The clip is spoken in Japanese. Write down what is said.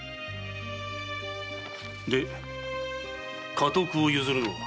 で家督を譲るのは？